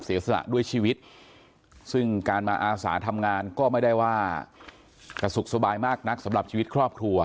สละด้วยชีวิตซึ่งการมาอาสาทำงานก็ไม่ได้ว่าจะสุขสบายมากนักสำหรับชีวิตครอบครัว